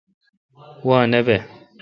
وا نہ بہ۔